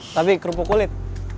tapi kerupuk kulit